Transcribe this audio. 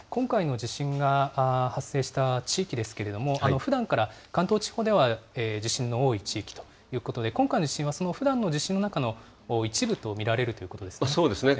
今回の地震が発生した地域ですけれども、ふだんから関東地方では地震の多い地域ということで、今回の地震はふだんの地震の中のそうですね。